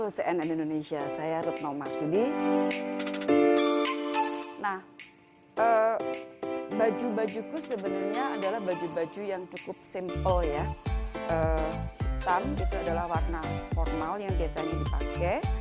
simpel ya hitam itu adalah warna formal yang biasanya dipakai